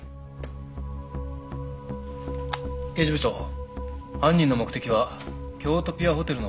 刑事部長犯人の目的はキョウトピアホテルの。